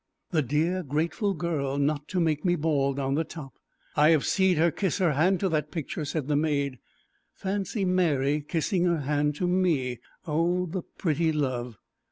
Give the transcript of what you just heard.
The dear, grateful girl, not to make me bald on the top. "I have seed her kiss her hand to that picture," said the maid. Fancy Mary kissing her hand to me! Oh, the pretty love!